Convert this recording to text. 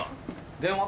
電話？